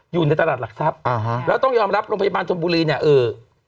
อยู่ในตลาดหลักทรัพย์อ่าฮะแล้วต้องยอมรับโรงพยาบาลชนบุรีเนี่ยเอ่อ